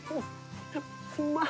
うまっ。